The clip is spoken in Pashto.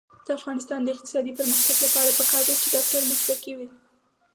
د افغانستان د اقتصادي پرمختګ لپاره پکار ده چې ډاکټر مسلکي وي.